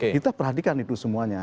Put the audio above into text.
kita perhatikan itu semuanya